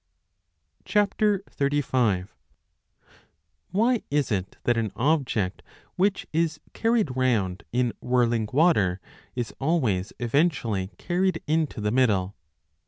5 WHY is it that an object which is carried round in whirling 35 water is always eventually carried into the middle